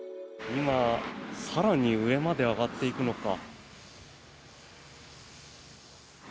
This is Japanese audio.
今、更に上まで上がっていくのか。